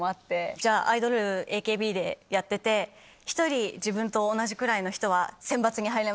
じゃあアイドルＡＫＢでやってて１人自分と同じくらいの人は選抜に入れます。